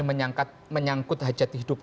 ini menyangkut hajat hidup